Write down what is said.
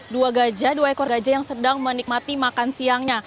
dua gajah dua ekor gajah yang sedang menikmati makan siangnya